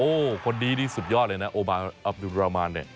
โอ้โหคนนี้นี่สุดยอดเลยนะโอบาอับดุรามานเนี่ย